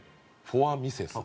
『フォアミセス』？